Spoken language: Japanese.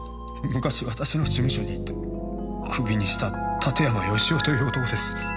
昔私の事務所にいてクビにした館山義男という男です。